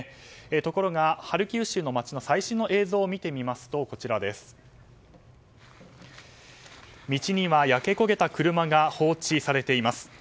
ところが、ハルキウ市の街の最新の映像を見てみますと道には焼け焦げた車が放置されています。